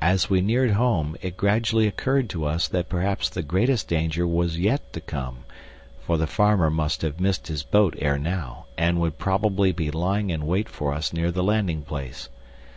As we neared home, it gradually occurred to us that perhaps the greatest danger was yet to come; for the farmer must have missed his boat ere now, and would probably be lying in wait for us near the landing place.